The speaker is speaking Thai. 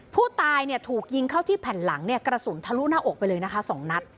ผู้ตายถูกยิงเข้าที่แผ่นหลังเนี่ยกระสุนทะลุหน้าอกไปเลยนะคะ๒นัด